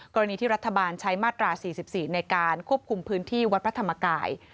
กรณีที่รัฐบาลใช้มาตรา๔๔ในการควบคุมพื้นที่วัดพระธรรมกาย